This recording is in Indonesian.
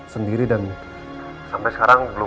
ya dorong deh